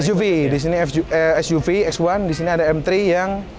suv di sini suv x satu di sini ada m tiga yang